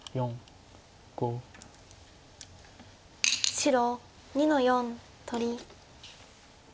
白２の四取り。